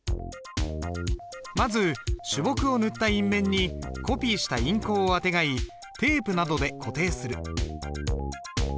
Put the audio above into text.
まず朱墨を塗った印面にコピーした印稿をあてがいテープなどで固定する。